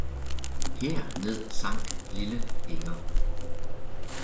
her ned sank lille Inger.